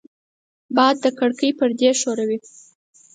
باد د کړکۍ پردې ښوروي